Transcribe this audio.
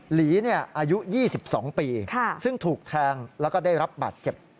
หลีอายุ๒๒ปีซึ่งถูกแทงแล้วก็ได้รับบาดเจ็บ